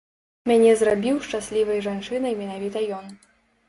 Мяне зрабіў шчаслівай жанчынай менавіта ён.